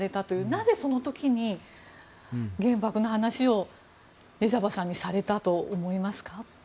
なぜその時に原爆の話をレジャバさんにされたと思いますか？